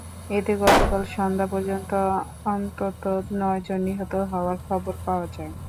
এতে গতকাল সন্ধ্যা পর্যন্ত অন্তত নয়জন নিহত হওয়ার খবর পাওয়া যায়।